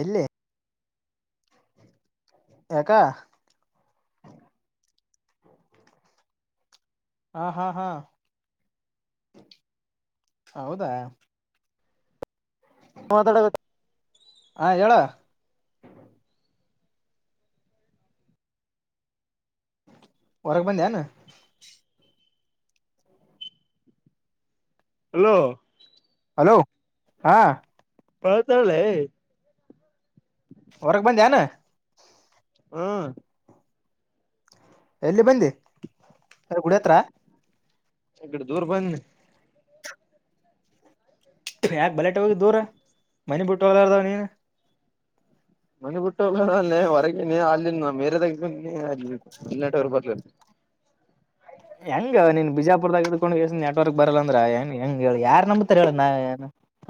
ಎಲ್ಲಿ. ಯಾಕ. ಹಾ ಹಾ ಹಾ ಹೌದಾ. ಮಾತಾಡ ಬೇಕ ಹಾ ಹೇಳಾ. ಹೊರಗ ಬಂದಿ ಏನು. ಹಲೋ. ಹಲೋ ಹಾ. ಮಾತಾಡಲೇ. ಹೊರಗ ಬಂದ್ಯ್ ಏನೋ. ಹೂ ಎಲ್ಲಿ ಬಂದಿ ಸರಿ ಗುಡಿ ಹತ್ತಿರ. ಈ ಕಡೆ ದೂರ್ ಬದಿ ಯಾಕೆ ಬಲೆಟ್ ಹೋಗಿದಿ ದೂರ ಮನಿ ಬಿಟ್ಟ ಹೋಗಲಾರದಾವ್ ನೀನ್. ಮನೆ ಬಿಟ್ಟು ಹೋಗ ಹೊರಗನ ಅಲ್ಲಿ ಮೇರೆದಾಗ [unintelligible] ಹೆಂಗ ನೀನ್ ಬಿಜಾಪುರ್ದಾಗ್ಕೊಂಡುಸ ನೆಟ್ವರ್ಕ್ ಬರಲ್ಲ ಅಂದ್ರ ಹೆಂಗ ಹೆಂಗ ಹೇಳಿ ಯಾರ್ ನಂಬಾರ ಹೇಳು ನಾ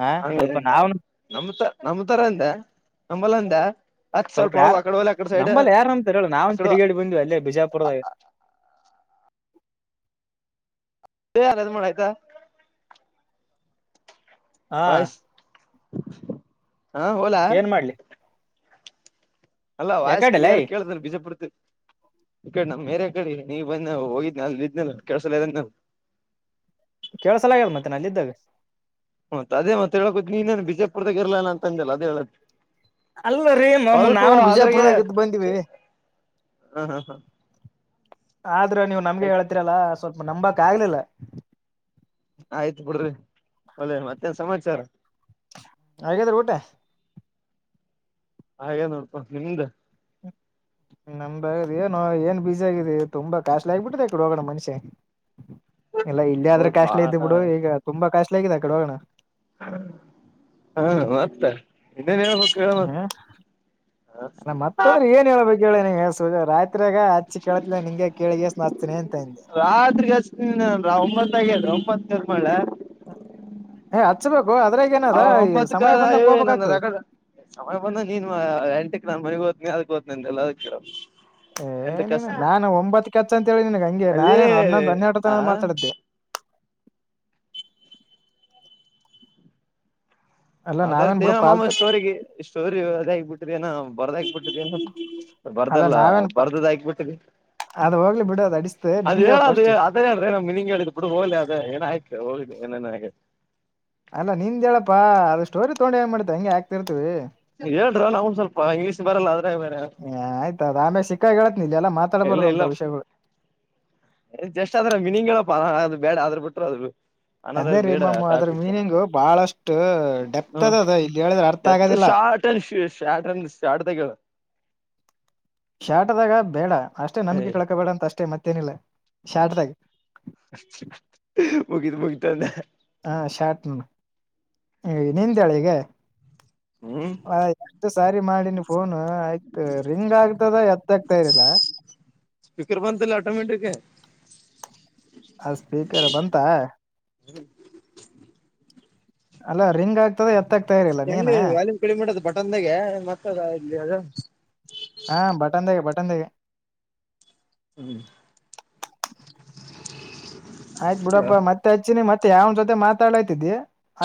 ಹಾ ಸ್ವಲ್ಪ ಹಗಾ ನಾವ್ ನಂಬತಾರ್ ಅಂದೆ ನಂಬಲ್ಲ ಅಂದೆ. ಸ್ವಲ್ಪ ಯಾರ ನಂಬಲ್ಲಿ ಯಾರ ಅಂತಾರ ಹೇಳ ನಾವನ್ ಆಕಡೆ ತಿರುಗಾಡಿ ಬಂದಿವಿ ಅಲ್ಲೇ ಬಿಜಾಪುರದಾಗ. ಹೆ [unintelligible] ಹಾ ಬೈ ಹಾ ಒಲ್ಯ. ಏನ್ ಮಾಡ್ಲಿ ಅಲ್ಲ ವಾಯಸ್ ಯಾಕಡೆ ಲೈ ಕ್ಲಿಯರ್ ಕೇಳಳ್ತ ಬಿಜಾಪುರ್ ತ ಈ ಕಡೆ ನಮ್ಮ ಮೇರೆ ಕಡೆ ನೀವು ಬಂದ ಹೋಗಿದ್ನ ಅಲ್ದ್ನ ಕೆಳ್ಸಲದ. ಕೇಳಸಲ ಆಗ್ಯಾದ ಮತ್ತೆ ನ ಅಲ್ಲಿ ಇದಿದ್ದಾಗ. ಮತ್ತ ಅದೇ ಹೇಳಕೋತ್ ನೀನೇನು ಬಿಜಾಪುದಾಗ ಇರ್ಲ್ಲ ಅಂದಲ್ಲ ಅದ ಹೇಳೆ. ಅಲ್ಲ ರೀ ಮಾಮು ಸ್ವಲ್ಪ ನಾವ್ ಆದ್ರಾಗ್ಯ್ ಬಿಜಾಪುರದಾಗ ಇದ್ದ್ ಬಂದಿವಿ ಹ ಹಾ ಹಾ. ಆದ್ರ ನೀವು ನಮ್ಗೆ ಆಯ್ತ್ ಹೇಳ್ತಿರಲ್ಲ ಸ್ವಲ್ಪ ನಂಬಕ್ ಆಗ್ಲಿಲ್ಲ. ಆಯ್ತು ಬಿಡ್ರಿ ಒಳ್ಳೆ ಮತ್ತೇನ್ ಸಮಾಚಾರ. ಆಗ್ಯಾದ್ರಿ ಊಟ. ಹಾಗೇ ನೋಡ್ಪಾ ನಿಮ್ದ. ನಮ್ದಗ ಏನು ಏನ್ ಬೀಜ ಆಗಿದೆ ತುಂಬಾ ಕಾಸ್ಲಿ ಆಗ್ಬಿಟ್ಟಿದೆ ಇಡೆ ಹೋಗೋಣ ಮಸ್ಯ ಇಲ್ಲ ಇಲ್ಲಿ ಆದ್ರೆ ಹೌದ್ ಬಾ ಕಾಶ್ಲಿ ಇದ್ದ ಹ ಬಿಡು ಈಗ ತುಂಬಾ ಕಾಶ್ಲಿ ಆಗಿದೆ ಆ ಕಡೆ ಹೋಗಣ. ಹಾ ಮತ್ತ. ಇದನ್ನೇ ಹೇಳ [unintelligible] ಹೂ ಮತ್ತೊಂದ್ರೆ ಏನ್ ಹೇಬೇಕು. ಕೇಳಸುದು ರಾತ್ರಿಯಾಗ ಹಚ್ಚಿ ಕೇಳ ನಿಂಗೆ ಕೇಳಿಗೆ ಸ್ನಾತಿನಿ ಅಂತೆ [unintelligible] ರಾತ್ರಿಗಿ ಹಾಕ್ತೀನಿ ಒಂಬತೂ ಹಗ್ಯ್ಡ ಒಂಬತ್ತ ಕ ಮಾಡ್ಲಾ ಏ ಹಚ್ಬೇಕು ಅದ್ರಾಗ ಆ ಏನಾದ ಈ ಒಂಬತ್ತಕ ಸಮಯ ಏ ಬಂದಂಗ ನನ್ನ ಹೋಗ್ಬೇಕಾಗ್ತದ. ರಗಡ ಸಮಯ ಬಂದಂಗ ನೀನೂ ಎಂಟಕ್ ನಾನ್ ಮನೆಗ್ ದ್ನಿ ಅದಕ್ ಹದ್ತನಿಂತೆ ಎಲ್ಲ ಅದ. ಏ ನೀನ ನಾನನ್ ಒಂಬತ್ತಕ್ಕೆ ಹಚ್ಚ ಅಂತ ಹೇಳಿ ನಿನಗ ಹಂಗೆ ಅಲ್ಲಿ ನಾನೇನು ಹನ್ನೊಂದು ಹನ್ನೆರಡು ಆ ತನೊಂದು ಮಾತಾಡಿ. ಅಲ್ಲ ಅದಾರ್ ನಾವೇನ್ ಬಿಡು ಏನ ಮಾಮ ಪಾಲ್ತ್ ಸ್ಟೋರಿಗೆ ಸ್ಟೋರಿ ಅದ ಆಗಬಿಟ್ಟಿದೆ ಏನ ಬರದಾಕಬಿಟ್ಟಿದಏನ. ಅಲ್ಲ ಬರ್ದಲ್ಲ ನಾವೇನ್ ಬರ್ದದ ಆಕ್ಬಿಟ್ಟಿನಿ. [unintelligible] ಅದ ಹೇಳ ಹೇಳ್ ಫಸ್ಟ್ ಅದನ್ನ ಹೇಳ್ರ ನ ಮಿನಿಂಗ ಹೇಳಿದ್ [unintelligible] ಹೋಗ್ಲಿ ಅದು ಏನ ಆಯತು ಹೋಗ್ಲಿ ಏನೇನ್ ಆ ಅಲ್ಲ ನಿಂದ್ ಹೇಳಪ್ಪಾ ಅದು ಸ್ಟೋರಿ ತಗೊಂಡು ಹೆಂಗ ಮಾಡತ ಹಂಗೆ ಹಾಕ್ತಿರ್ತವಿ. ಹೇಳ್ರೋ ನಮ್ಮ ಸ್ವಲ್ಪ ಇಂಗ್ಲೀಷ್ ಬರಲ್ಲ ಅದರ ಬೇರೆ. ಆಯ್ತ ಆ ಆಮೇಲೆ ಸಿಕ್ಕಾಗಿ ಹೇಳತಿನಿ ಎಲ್ಲ ಇಲ್ಲ ಮಾತಾಡ್ಬಾರೋ ಇಲ್ಲ ಅಂತ ವಿಷಯಗಳು. ಜಸ್ಟ್ ಆದ್ರ ಮಿನಿಂಗ್ಗಳ ಹೇಳಪ್ಪ ಬೇಡ ಆದ್ರ ಬಿಟ್ಟರು ಆದದ್ರು. ಅದೇ ರೀ ಮಾಮ್ ಅದ್ರ ಮೀನಿಂಗು ಬಹಳಷ್ಟು ಡೆತ್ ಹ್ಮ ಅದ ಅದ ಇ ಹೇಳಿದ್ರ ಅರ್ಥ ಡೆತ್ ಆಗೋದಿಲ್ಲ ಶಾರ್ಟ್ ಟೆನ್ ಸೀಟ್ದಾಗ ಹೇಳು. ಶಾಟದಾಗ ಬೇಡ ಅಷ್ಟೇ ನಂಬಿಕೆ ಹೇಳು ಕಳ್ಕಬೇಡ ಅಂತ ಅಷ್ಟೆ ಮತ್ತೇನಿಲ್ಲ. ಶಾಟದಾಗ. ಮುಗಿತು ಮುಗೀತು ಅಂದೆ. ಹಾ ಶಾಟ್ ನಿಂದು ಹೇಳು ಈಗ ಹ್ಮ್ ಹಾ ಎಷ್ಟು ಸಾರಿ ಮಾಡಿನಿ ಫೋನ್ ಆಯ್ತು ರಿಂಗ್ ಆಗ್ತದ ಎತ್ತಾಗಗ್ತಾ ಇಲ್ಲ. ಸ್ಪೀಕರ್ ಬಂತಿಲ್ಲ ಆಟೋಮೇಟಕ್. ಅ ಸ್ಪೀಕರ್ ಬಂತ? ಅಲ್ಲ ರಿಂಗ್ ಆಗ್ತದೆ ಎತ್ಲಲ್ಲ. ಹೆಂಗ ವಾಲ್ಯುಂ ಕಡಿಮೆ ಇಡದ್ ಬಟನ್ದಾಗೆ ಮತ್ತ ಅದಲಿ ಅದ. ಹಾ ಬಟನ್ದಾಗ ಬಟನ್ದಾಗ. ಹ್ಮ್ ಆಯ್ತ್ ಬಿಡಪ್ಪ ಮತ್ತೆ ಹಚ್ಚಿನಿ ಮತ್ತೆ ಯಾವನ ಜೊತೆ ಮಾತಾಡ್ಲಕತ್ತಿದಿ.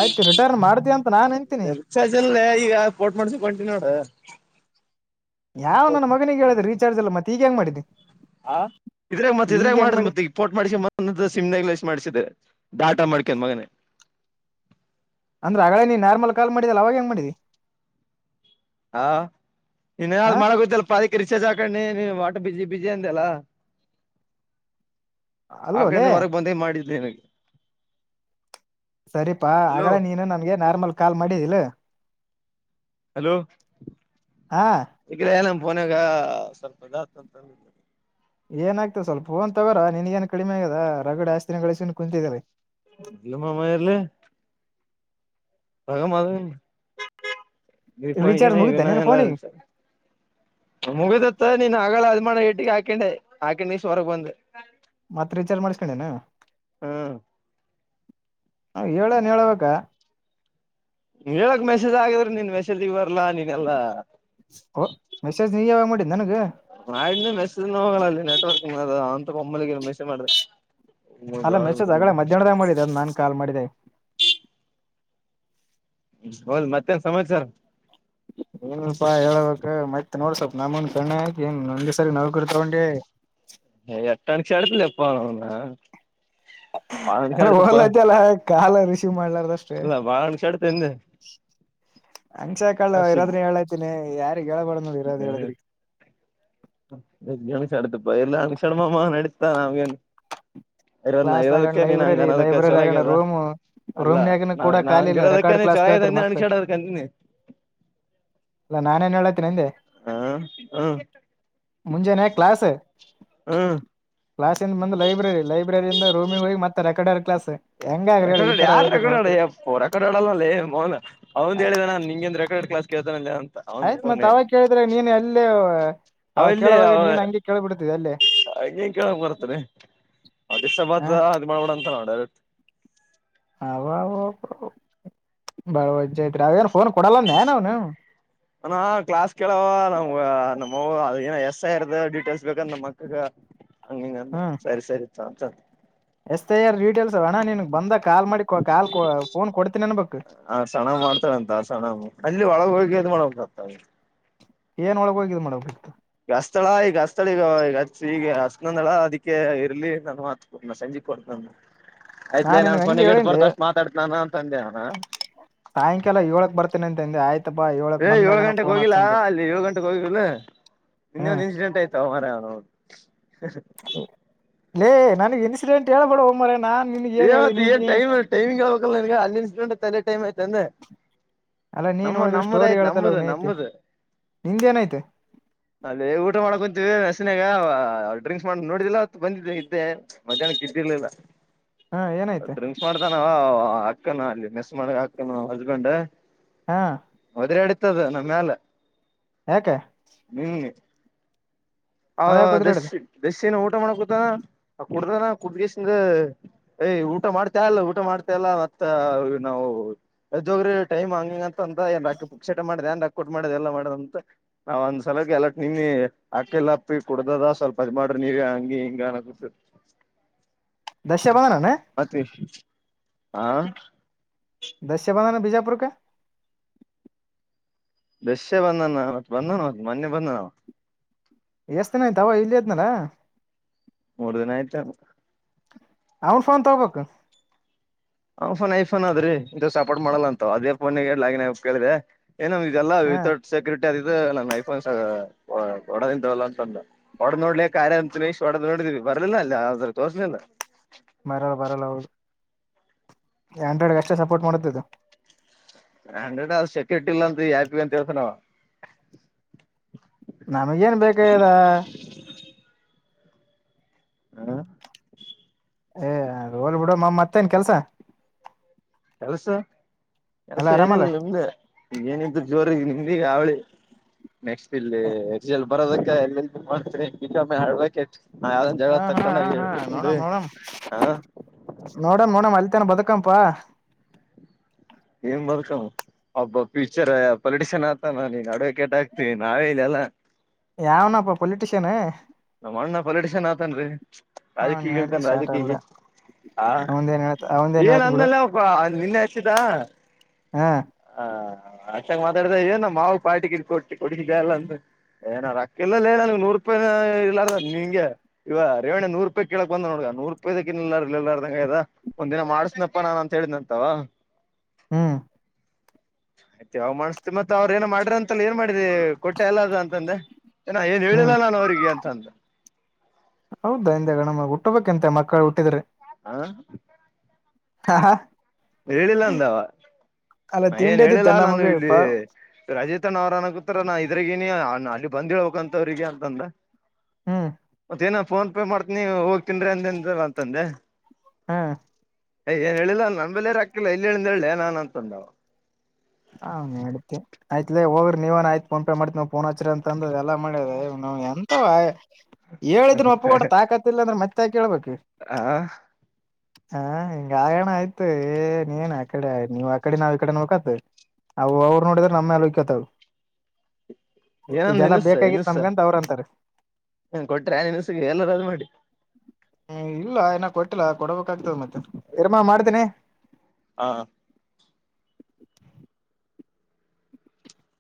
ಆಯ್ತು ರಿಟರ್ನ್ ಮಾಡ್ತೀಯಾ ಅಂತ ನಾನ್ ಅಂತೀನಿ. ರಿಚಾರ್ಜ್ ಇಲ್ವೇ ಈಗ ಪೋರ್ಟ್ ಮಾಡ್ಸಕ ಒಂಟಿನ್ ನೋಡು. ಯಾವ ನನ್ನ ಮಗನಿಗೆ ಹೇಳಿದ ರೀಚಾರ್ಜ್ ಇಲ್ಲ ಮತ್ತೆ ಈಗ ಹೆಂಗ ಮಾಡಿದಿ? ಹ ಇದ್ರಾಗ ಮತ್ತ ಈಗ ಇದ್ರಾಗ ಹೆಂಗ್ ಮಾಡುದು ಮಾಡಿ ಮತ್ತೆ ಪೋರ್ಟ್ ಮಾಡಿಸ್ಕೆಂಡ್ ಬಂದ್ ಸಿಮ್ನಗ್ಲಾಸಿ ಮಾಡ್ಸಿದೆ ಟಾಟ ಮಾಡ್ಕೊಂಡ್ ಮಗನೆ. ಅಂದ್ರೆ ಹಗಳೇ ನೀ ನಾರ್ಮಲ್ ಕಾಲ್ ಮಾಡಿದಿಲ್ಲ ಅವಾಗ ಹೆಂಗ್ ಮಾಡಿದ್ದಿ? ಹಾ ಹಾ ಇನ್ನೇದ್ ಮಾಡಕ್ ಗೊತ್ತಲ್ಲಪ್ಪ ಅದಕ್ಕೆ ರಿಚಾರ್ಜ ಹಾಕೊಂಡಿನಿ ನೀ ವಟ್ಟು ಬಿಸಿ ಬಿಸಿ ಅಂದೆಲಾ. ಅಲ್ಲೋಲೆ ಆಕಂಡ್ ಹೊರಗ್ ಬಂದೇ ಮಾಡಿದ್ದೆ ನಿನಗೆ. ಸರಿಪಾ ಹಲೋ ಆಗಳೆ ನೀನು ನನ್ಗೆ ನಾರ್ಮಲ್ ಕಾಲ್ ಮಾಡಿದ್ದಿಲ್ಲ? ಹಲೋ ಈಗ್ ಏ ನಮ್ಮ ಫೋನಾಗ ಸ್ವಲ್ಪ [unintelligible] ಅಂತ ಏನ ಆಗ್ತದೆ ಸ್ವಲ್ಪ ಫೋನ್ ತಗೋರ ನಿನ್ ಏನ್ ಕಡಿಮೆ ಆಗದ ರಗಡ್ ಆಸ್ತಿನೆ ಗಳಿಸ್ಕೆಂದ್ ಕುಂತಿಅಲ ಇಲ್ಲ ಮಾಮ ಇರ್ಲ್ಲಿ ಪಗ ಮಾ ರೀಚಾರ್ಜ್ ದೀಪಾವಳಿಗೆ ಮುಗಿತ ಇನ್ನ [unintelligible] ನಿನ್ನ ಫೋನಿಗೆ ಎಲ್ಲಾಚ. ಮುಗದಿತ್ತ ನೀನ್ ಆಗಳ ಅಲ್ ಮಾಡ ಇಟ್ಟಗೆ ಹಾಕೊಂಡೆ ಹಾಕೊಂಡ ನೀ ಹೊರಗೆ ಬಂದೆ. ಹ ಮತ್ತ್ ರಿಚಾರ್ಜ್ ಮಾಡಸ್ಕೊಂಡೇನ? ಹ್ಮು ಅವ್ ಹೇಳನ್ ಹೇಳ್ಬೇಕ? ಹೇಳಕ್ ಮೆಸೇಜ್ ಆಕಿದ್ರ ನಿನ್ ಮೆಸೇಜ್ಗೆ ಬರ್ಲಾ ನೀನೆಲ್ಲಾ. ಓ ಮೆಸೇಜ್ ನೀ ಯಾವಾಗ ಮಾಡಿದ್ದ್ ನನ್ಗ? ಮಾಡನ ಮೆಸೇಜ್ ಹೋಗಲ್ಲ ಅಲ್ಲಿ ನೆಟ್ವರ್ಕ್ ಮಾಡ ಅಂತ ಒಮ್ಮಲ್ಲಿ ಮೆಸೇಜ್ ಮಾಡ್ದೆ. ಅಲ್ಲ ಮೆಸೇಜ್ ಅಗಳ ಮಧ್ಯಾನ್ದಾಗೆ ಮಾಡಿದೆ ಅದು ನಾನ್ ಕಾಲ್ ಮಾಡಿದಾಗ್. ಹೊಗ್ಲಿ ಮತ್ತೇನ್ ಸಮಾಚಾರ? ಏನಿಲ್ಪಾ ಹೇಳ್ಬೇಕ್ ಮತ್ ನೋಡ್ ಸ್ವಲ್ಪ ನಮನ್ ಕಣ್ಣಾಗೆ ಏನ್ ಒಂದೇಸರಿನೌಕ್ರಿ ತಗೊಂಡಿ. [unintelligible] ಅವನೌನ್. ಅ ಓದ್ಲತಿಯಲ್ಲ ಕಾಲೆ ರಿಸೀವ್ ಮಾಡ್ಲಾರ್ದಷ್ಟು. ಇಲ್ಲ ಬಾಳ ಅನ್ಸಾಡ್ತ ಅಂದೆ ಹಂಗಸಕಲ್ಲ ಇರೋದನ್ನೇ ಹೇಳತೀನಿ. ಹೇಳಬಾರ್ದ ನೋಡಿ ಹ್ಮ್ ಇರೋದ್ ಹ್ಮ್ ಹೇಳಿದ್ರಿ [unintelligible] ಎ ಅಣಸಾಡತಪ್ಪಾ ಇನ್ನಾ ಅಂಗಸ್ಯಾಡ್ ಮಾಮ ನಡಿತ್ತ್ ನಾಮಗ್ ಏನ್. ಇರೋದ್ ನ ಕ್ಲಾಸ್ ಆಗಣ ಇರೋದಕ್ಕೆ ನೀನ್ ಹಂಗ ಲೈಬ್ರರಿ ಅನ್ನೋದಕ್ಕೆ ಲೈಬ್ರರಿ ಚಲೊ ಆಗಣ ಆಗ್ಯದ ರೂಮು ಅಲ್ಲ ರೂಮ್ನ್ಯಾಗನ ನಾವ. ಕೂಡ ನಾವ್ ಖಾಲಿ ಹಂಗ್ ಇ ಇಲ್ಲ ರದಕ್ಕಾನೆ ನಿಂಗ್ ಚೊಲೋ ಆಗ್ಯಾದ್ ಅನ್ನಿಸಿಡಾಕ್ ಅಂತೀನಿ. ಅಲ್ಲ ನಾನೇನ್ ಹೇಳತೇನಿ ಅಂದೆ. ಹ ಹ್ಮ್ ಮುಂಜೆನ ಕ್ಲಾಸ್. ಹ್ಮ್ ಕ್ಲಾಸಿಂದ ಬಂದು ಲೈಬ್ರರಿ, ಲೈಬ್ರರಿಯಿಂದ ರೂಮಿ ಹೋಗಿ ಮತ್ತೆ ರೆಕಾರ್ಡರ್ ಕ್ಲಾಸ್. ಹೆಂಗಾಗ್ರಿ ಹೇಳಿ ರೆಕಾರ್ಡ್ ಈ ಆಡ ತರ ಯಾರ ಹೋಯ್ತಿರಿ ರೆಕಾರ್ಡ್ ಆಡಿ ನೌಕರಿ ಯಪ್ಪೊ ರೆಕಾರ್ಡ್ ಆಡಲ್ಲೇ ಮೌನ ಅವಂದ್ ಹೇಳಿದಾನ ನಿಂಗೆ ರಡ್. ರೆಕಾರ್ಡಿಂಗ್ ಅಂದೆ [unintelligible] ಆಯ್ತ್ ಮತ್ ಅವ ಕೇಳಿದ್ರೆ ನೀನ್ ಎಲ್ಲೇ ಅವ ಕೇಳವಾಗ ನೀನ್ ಹಂಗೆ ಕೇಳ್ಬಿಡ್ತಿದೆ ಅಲ್ಲೇ. ಹಂಗೆಂಗ್ ಕೇಳಕ್ ಬರ್ತಾ ಲೆ ಡಿಸ್ಟರ್ಬ್ ಹ ಆತದ್ ಅದು ಮಾಡ್ಬೋಣ ಅಂತ ನ ಡೈರೆಕ್ಟ್. ಅವ ವವವ ಬಾಳ ವಜ್ ಐತ್ರಿ ಅವೇನು ಫೋನ್ ಕೊಡಲ್ಲಂದ ನ ಅವ್ನು ಅ ಕ್ಲಾಸ್ ಕೇಳವ ನಮ್ಗ ನಮ್ಮ ಅವ್ವ ಏನ ಎಸ್ ಐ ಅವ್ರುದು ಡೀಟೇಲ್ಸ್ ಬೇಕಂದ ನಮ್ಮ ಮಕ್ಕಕ್ಕ [inaudible] ಹಂಗಿಂಗಂದ ಹ್ಮ ಸರಿ ಸರಿ ಚ ಎಸ್ ಐ ಯರ್ ಡೀಟೇಲ್ಸ್ ಅವ ಅಣ್ಣ ನೀನ್ಗ್ ಬಂದ ಕಾಲ್ ಮಾಡಿ ಕಾಲ್ ಫೋನ್ ಕೊಡ್ತೀ ಅನ್ ಬೇಕು ಹ ಸಣ್ಣ್ ಮಾಡ್ತಾರ ಅಂತ ಸಣ ಅಲ್ಲಿ ಒಳಗೆ ಹೋಗಿ ಅದ್ ಮಾಡಬೇಕಾಗತ ಏನ್ ಒಳಗ ಹೋಗಿದೆ ಮಾಡಬೇಕು ಈ ಅಸ್ತಳ ಈಗ ಅಸ್ತಳ ಈಗ ಈಗ ಈಗ ಹಸ್ನಂದಳ ಅದಕ್ಕೆ ಇರ್ಲಿ ನನ್ ಮಾತ ಸಂಜ ಕೊಡ್ತ ಆಯ್ತ್ ನಿನ್ಗ್ ನಾನ್ ಹಂಗೆ ಕೊನೆಗೆ ಇ ಹೇಳಿನ್ಲೆ ಬರ್ತ ಅಷ್ಟ ಮಾತಾಡ್ತನಾನ ಅಂತ ಅಂದೆವನ ಸಾಯಂಕಾಲ ಯೊಳಕ್ಕ ಬರ್ತೇನೆ ಅಂತಂದೆ ಆಯತು ಏ ಏಳು ಗಂಟೆಗೆ ಹೋಗಿಲ್ಲ ಅಲ್ಲಿ ಏಳು ಗಂಟೆಗೆ ಹೋಗಿಲ್ಲ ನಿನ್ನೆ ಒಂದ ಹ್ಮ್ ಇನ್ಸಿಡೆಂಟ್ ಆಯ್ತು [unintelligible] ಲ್ಲೇ ನನಗ್ ಇನ್ಸಿಡೆಂಟ್ ಹೇಳೇಳ್ಬೇಡ ಒಮ್ಮರೇನಾ ಏ್ತನ್ ಟೈಮ ಟೈಮಿಂಗ್ಗಬೇಕಲ್ಲ ನನ್ಗೆ ಅಲ್ಲಿ ಇನ್ಸಿಂಟ್ ತಲೆ ಟಮ ಆಯ್ತ ಅಂದೆ ಅಲ್ಲ ನೀ ನಮ್ಮ ನೋಡಿದ್ರೆ ನಮ್ಮದ ಸ್ಟೋರಿ ಆಯ್ತು ಹೇಳ್ತಲ್ಲ ನಮ್ಮದು ನೀ ಐತಿ ನಮ್ಮದು ನಿಂದೇನೈತೆ ಅಲ್ಲೇ ಊಟ ಮಾಡಕೊಂತೀವಿ ನಸನಾಗ ಡ್ರಿಂಕ್ಸ್ ಮಾಡ ನೋಡಿದಿಲ್ಲ ಬಂದಿದ್ವಿ ಇದ್ದೆ ಮಧ್ಯಾಹ್ನಕ್ಕೆ ಇದ್ದಿರ್ಲಿಲ್ಲ ಹಾ ಏನೈತೆ ಡ್ರಿಂಕ್ಸ್ ಮಾಡ್ತಾನ ಅವ ಅಕ್ಕನ ಅಲ್ಲಿ ಮಿಸ್ ಮಾಡ ಅಕ್ಕನ ಹಸ್ಬೆಂಡ್ ಹಾ ಹೋದ್ರಾ ನಡತದ ನಮ್ ಮೇಲ ಯಾಕೆ ನಿನ್ನೆ ಆ ಅವ ಯಾಕೆ ದಸ ಒದ್ರಾಡಿದ ದಸ್ಯನ ಊಟ ಮಾಡಕೂತಾನ ಆ ಕುಡ್ರಾನ ಕುಡ್ಗಸಿಂದ ಯ್ ಊಟ ಮಾಡ್ತಾ ಇಲ್ಲ ಊಟ ಮಾಡ್ತಾ ಇಲ್ಲ ಮತ್ತ ನಾವು ಎಜೋಗ್ರ ಟೈಮ್ ಹಂಗ ಅಂತ ಅಂತ ಏನ್ ರಾಕ್ಕ ಶಟ ಮಾಡ್ ಏನ್ ರಾಕ್ಕ ಕೊಟ್ಟ ಮಾಡ್ ಎಲ್ಲ ಮಾಡದ ಅಂತ ನಾವ ಒಂದ್ ಸಲಕ್ಕೆ ಎಲ್ಲಟ್ ನಿನ್ನೆ ಆಕೆಲ್ಲ ಕುಡದದ ಸ್ವಲ್ಪ ಅದ್ಮ ಮಾಡ್ರಿ ನೀವ ಹಂಗಿ ಹಿಂಗ ಅ ದಶ ಬದನಣ ಮತ್ತ ಆ ದಸ್ಯ ಬಂಧನ ಬಿಜಾಪುರ್ ಕ ಬೆಸೆ ಬಂದಣ ಮ ಬಂದನಾ ಮೊನ್ನೆ ಬಂದನ ಎಷ್ಟ ದಿನ ಆಯ್ತಾವ ಇಲ್ಲಿದ್ನಲ ಮುರುದಿನ ಆಯ್ತು ಅವ್ನ್ ಫೋನ್ ತಗೋಬೇಕ್ ಅವನ ಫೋನ್ ಐಫೋನ್ ಆದ್ರೀ ಇದು ಸಪೋರ್ಟ್ ಮಾಡಲ್ಲ ಅಂತ ಅದೇ ಫೋನ್ ಆಗ ಲಾಗಿನ್ ಹೇಳಕ್ಕೆ ಕೇಳಿದೆ ಏನಮ್ ಇದೆಲ್ಲ ಹಾ ವಿತಟ್ ಸೆಕ್ಯೂರಿಟಿ ಅದಿದ ನನ್ ಐಫೋನ್ಸ್ ಕೊಡದಂತಲ್ಲ ಅಂತಂದು ಒಡದ ನೋಡ್ಲಿ ಕಾರ್ಯ ಅಂತ ಇಷ್ಟ್ ಒಡೆದ ನೋಡಿದೀವಿ ಬರ್ಲಿಲ್ಲ ಅಲ್ಲ ಆದ್ರ ತೋರ್ಲಿಲ್ಲ ಮರಲ್ಲ ಬರಲ್ಲ ಹೌದು ಆಂಡ್ರಾಯಡ್ ಅಷ್ಟ ಸಪೋರ್ಟ್ ಮಾಡುತ್ತದ ಇದು ಹಂಡ್ರೆಡ್ ಅವ ಸೆಕ್ಯೂರಿಟಿ ಇಲ್ಲ ಅಂತ ಯಾಕ ಅಂತ ಹೇಳ್ತ ನಾವ ನಮಗಏನ್ ಬೇಕದ ಹಾ ಏ ರೋಲ್ ಬಿಡ ಮ ಮತ್ತೆ ಏನ್ ಕೆಲ್ಸ ಕೆಲಸ ಕೆಲಸ ಎಲ್ಲ ಆರಾಮಲ್ಲ ಏನಿಲ್ಲ ನಿಮ್ದೆ ಏನತ್ತುುಜೋರ ನಿಮಗ ಅವಳಿ ನೆಕ್ಸ್ಟ್ ಇಲ್ಲಿ ಹ ಎಲ್ ಬರೋದಕ್ಕ ಹಾ ಹ ಹಾ ಎ [unintelligible] ನೋಡಣ ನೋಡ ಮಲ್ತನ ಬದುಕಂಪಾ. ಏನ್ ಬದ್ಕೋದು. ಒಬ್ಬ ಫ್ಯೂಚರ್ ಪೊಲಿಟಿಷಿನ್ ಆತ ನಾ ಈಗ ಅಡ್ವೊಕೇಟ್ ಆಗ್ತೀ ನಾವೇ ಇಲ್ಲಾ. ಯಾವನಪ್ಪ ಪೊಲಿಟಿಷನ್. ನಮನ್ನ ಪೊಲಿಟಷನ್ ಆತನ್ರಿ. ಅವನ್ ರಾಜಕೀಯಗ ಇ ಹೇಳ್ತಿ ಳ್ತಾನ ಶಾರ್ಟ್ ಆಗ್ಬಿಡ ರಾಜಕಗಿ ಹ ಅವಂದೇನ್ ಹೇಳ್ತ ಅವಂದೇನ್ ಏನ್ ಹೇಳ್ತ್ ಬಿಡು ಅಂದಲ್ಲಲ. ಹ ನಿನ್ನೆ ಹಚ್ಚಿದ. ಹ್ಮ. ಹ ಅಷ್ಟೇ ಮಾತಾಡಿದ ಏನ ಮಾವಗ ಪಾರ್ಟಿ ಕೊಡ್ಸಿದಲ ಅಂತ. ಏನ ರಕ್ಕ ಇಲ್ಲಲೆ ನನ್ಗ ನೂರಪಾಯಿ ಇರಲ್ಲರ ನಿಂಗೆ ಇವ ರೇವಣ್ಣ ನೂರು ರೂಪಾಯಿ ಕಳಕ ಬಂದ ನೋಡ ನೂರ ರೂಪಾಯಿ ಕಿಲ್ಲರ ಇಲ್ಲಾರದಂಗ ಅಗ್ಯಾದ. ಒಂದ ದಿನ ಮಾಡ್ಸನಪ್ಪಾ ನಾನ ಅಂತ ಹೇಳಿದಂತವ. ಹ್ಮ. ಆಯ್ತ ಯಾವ ಮಾಡ್ತತಿ ಮತ್ತ ಅವ್ರ ಏನ ಮಾಡ್ರ ಅಂತಲ್ಲಿ ಏನ ಮಾಡಿದರಿ ಕೊಟ್ಟೆ ಎಲ್ಲ ಅದು ಅಂತಂದೆ. ಏನ ಏನ್ ಹೇಳಿಲ್ಲ ಹ್ಮ್ ನಾನು ಅವರಿಗೆ ಅಂತ ಅಂದ. ಹೌದಾ ಹಿಂದೆ ಗಣಮ ಹುಟ್ಟ ಬೇಕಂತೆ ಮಕ್ಕಳ ಹುಟ್ಟಿದ್ರೆ ಹಾ ಹಾ ಹಾ ಹೇಳಿಲ್ಲ ಅಂದವ ಅಲ್ಲ ನಾ ಏನ ತಿಂಡಿದಿತ್ತ ಹೇಳಿಲ್ಲ ನಾನು ನಮಗೆ ಇಲ್ಲಿ ಪಾ ರಜಿತನ ಅವರ ಅನ ಗತ್ತರ ನಾ ಇದ್ರಗನಿ ಅಲ್ಲಿ ಬಂದಿಳ್ಬೇಕಂತವ್ರಿಗೆ ಅಂತಂದ. ಹ್ಮ. ದೇನ ಫೋನ್ ಪೇ ಮಾಡ್ತನಿ ಹೋಗ ತಿನ್ರಿ ಅಂದಂದ ಅಂತಂದೆ. ಹಾ ಯ ಏನ ಹೇಳಿಲ್ಲ ನನ ಬಲ್ಲೆ ರೊಕ್ಕಾ ಇಲ್ಲಾ ಎಲ್ಲಿ ಹೇಳಂದ ಹೇಳೆ ನಾನ ಅಂತಂದ. ಹ ಅಡ್ತ ಆಯ್ತ್ಲೇ ಹೋಗ್ರ ನೀವನ ಆಯ್ತ ಫೋನ ಪೇಫೆ ಮಾಡತೀನಿ ಅಂತ ಫೋನ್ ಹಚ್ಚರಿ ಅಂದ ಎಲ್ಲ ಮಾಡ್ಯದ ಎಂತವ ಹೇಳಿದನ ಒಪಗೊಟ್ಟ ತಾಕತಿಲ್ಲ ಅಂದ್ರೆ ಮತ್ತೆ ಯಾಕ ಹೇಳಬೇಕ. ಹ ಹಾ ಹಿಂಗ ಆಗಣ ಆಯ್ತು ಏ ನೀನ್ ಆಕಡೆ ನೀವ ಆ ಕಡೆ ನಾವ ಈ ಕಡೆ ಅನ್ಕೋತು. ಅವ ಅವರ ನೋಡಿದ್ರ ನಮ್ಮ ಮೇಲ ಹೊಯಿಕೋತಾವೆ. ಏನಂದ ಇದೆಲ್ಲಾ ಇನಸ್ಸ ಬೇಕಾಗಿತ್ತ ನಮ್ಗಂತ ಅವ್ರ ಅಂತರ. ಹ್ಮ ಕೊಟ್ರೆ ಆ ನಿನ್ಸಗೆ ಎಲ್ಲರದ ಮಾಡಿ. ಹ್ಮ ಇಲ್ಲ ಇನ ಕೊಟ್ಟಿಲ್ಲ ಕೊಡಬೇಕಾಗ್ತದೆ ಮತ್ತೆ ಇರ್ಮ ಮಾಡ್ತೇನೆ. ಹಾ